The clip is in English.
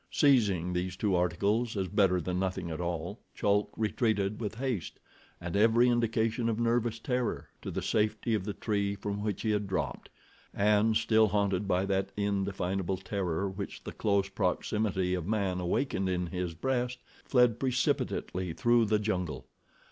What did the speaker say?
Seizing these two articles, as better than nothing at all, Chulk retreated with haste, and every indication of nervous terror, to the safety of the tree from which he had dropped, and, still haunted by that indefinable terror which the close proximity of man awakened in his breast, fled precipitately through the jungle.